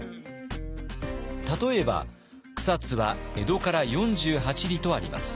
例えば草津は「江戸から四十八里」とあります。